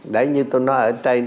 đấy như tôi nói ở trên